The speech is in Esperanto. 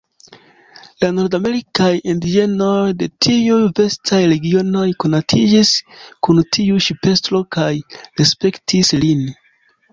La nordamerikaj indiĝenoj de tiuj vastaj regionoj konatiĝis kun tiu ŝipestro kaj respektis lin.